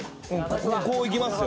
こういきますよ。